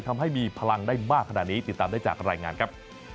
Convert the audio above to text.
ทำให้มีพลังได้มากขนาดนี้ติดตามได้จากรายงานครับ